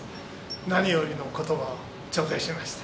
何よりのことばを頂戴しました。